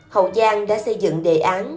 hậu giang đã xây dựng đề án